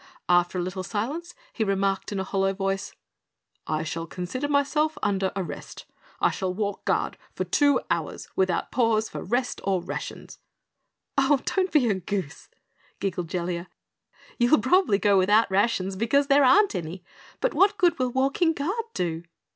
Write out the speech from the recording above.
After a little silence he remarked in a hollow voice: "I shall consider myself under arrest. I shall walk guard for two hours without a pause for rest or rations!" "Oh, don't be a goose!" giggled Jellia. "You'll probably go without rations because there aren't any. But what good will walking guard do?"